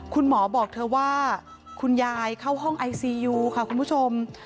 บอกเธอว่าคุณยายเข้าห้องไอซียูค่ะคุณผู้ชม